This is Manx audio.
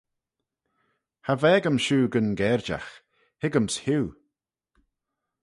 "Cha vaag-ym shiu gyn gerjagh; hig-yms hiu."